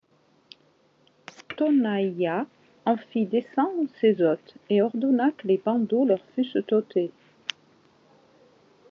Tonaïa en fit descendre ses hôtes et ordonna que les bandeaux leur fussent ôtés.